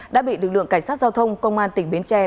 đã bị lực lượng cảnh sát giao thông công an tỉnh bến tre